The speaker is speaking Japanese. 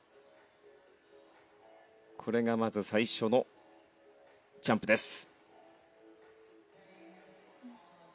これがまず最初のジャンプです。